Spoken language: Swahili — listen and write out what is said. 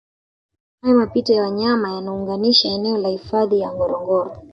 Haya mapito ya wanyama yanaunganisha eneo la hifadhi ya Ngorongoro